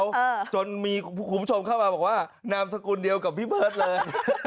ค่ะจนมีคุณผู้ชมเข้ามาบอกว่านามสกุลเดียวกับพี่เบิร์ตเลย